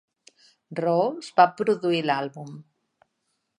Ross va produir l'àlbum.